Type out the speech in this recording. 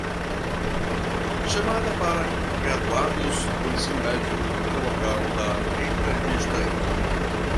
Chamada para graduados do ensino médio no local da entrevista